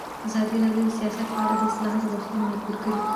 ازادي راډیو د سیاست په اړه د اصلاحاتو غوښتنې راپور کړې.